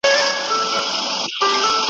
دا د پېړیو توپانونو آزمېیلی وطن